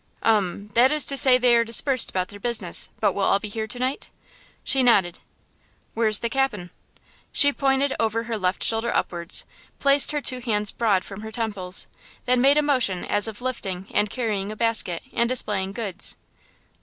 "Um! That is to say they are dispersed about their business, but will all be here to night?" She nodded. "Where's the cap'n?" She pointed over her left shoulder upwards, placed her two hands broad from her temples, then made a motion as of lifting and carrying a basket, and displaying goods.